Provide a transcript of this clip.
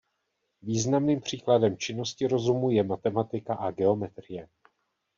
Významným příkladem činnosti rozumu je matematika a geometrie.